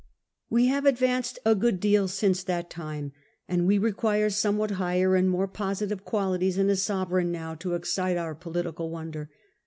We have advanced a good deal since that time, and we require somewhat higher and more positive qualities in a sovereign now to excite our political wonder.